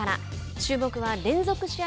注目は連続試合